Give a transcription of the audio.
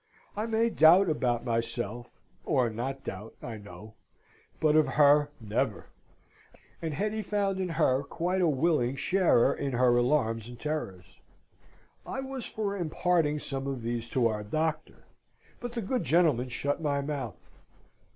I may doubt about myself (or not doubt, I know), but of her, never; and Hetty found in her quite a willing sharer in her alarms and terrors. I was for imparting some of these to our doctor; but the good gentleman shut my mouth.